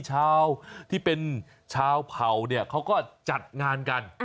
ที่เป็นชาวเผ่าเนี่ยเขาก็จัดงานกัน